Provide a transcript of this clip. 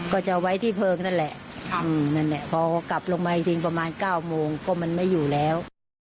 ก็จะเอาไว้ที่เพลิงนั่นแหละพอกลับลงมาประมาณ๙โมงก็มันไม่อยู่แล้ว